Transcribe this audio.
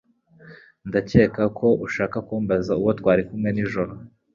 Ndakeka ko ushaka kumbaza uwo twari kumwe nijoro